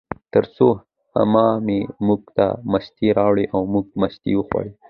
ترڅو عمه مې موږ ته مستې راوړې، او موږ مستې وخوړې